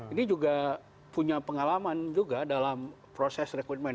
ini juga punya pengalaman juga dalam proses rekrutmen